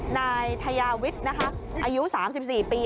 นายทยาวิทย์นะคะอายุ๓๔ปี